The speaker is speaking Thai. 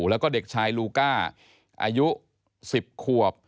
แล้วก็เด็กชายลูก้าอายุ๑๐ขวบ